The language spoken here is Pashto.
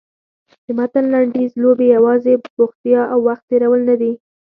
د متن لنډیز لوبې یوازې بوختیا او وخت تېرول نه دي.